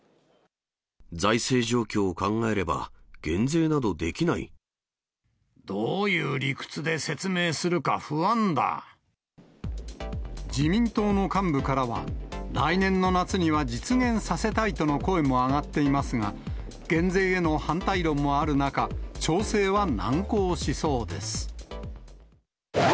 財政状況を考えれば減税などどういう理屈で説明するか不自民党の幹部からは、来年の夏には実現させたいとの声も上がっていますが、減税への反対論もある中、調整は難航しそうです。